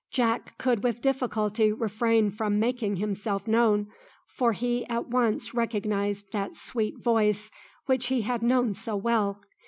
Jack could with difficulty refrain from making himself known, for he at once recognised that sweet voice which he had known so well.